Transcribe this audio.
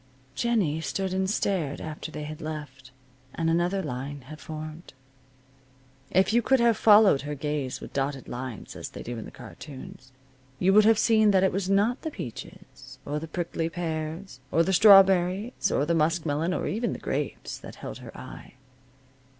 Jennie stood and stared after they had left, and another line had formed. If you could have followed her gaze with dotted lines, as they do in the cartoons, you would have seen that it was not the peaches, or the prickly pears, or the strawberries, or the muskmelon or even the grapes, that held her eye.